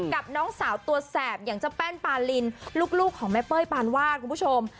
กับน้องสาวตัวแสบอย่างเจ้าแป้นปาลินลูกของแม่เป้ยปานวาดคุณผู้ชม